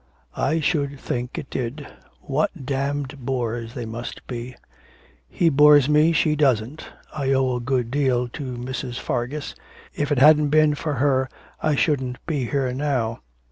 'I should think it did. What damned bores they must be.' 'He bores me, she doesn't. I owe a good deal to Mrs. Fargus. If it hadn't been for her I shouldn't be here now.'